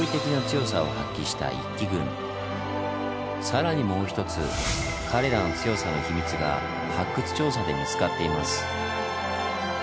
更にもうひとつ彼らの強さの秘密が発掘調査で見つかっています。